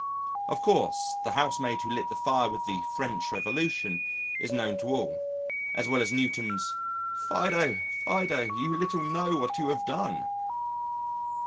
Of course the housemaid who lit the fire with the French Revolution is known to all, as well as Newton's "Fido, Fido, you little know what you have done."